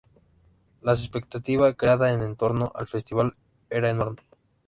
La expectativa creada en torno al festival era enorme.